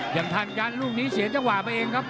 อย่างทันกันลูกนี้เสียเจ้าขวาไปเองครับ